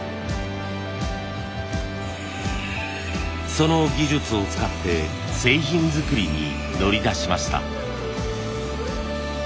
その技術を使って製品作りに乗り出しました。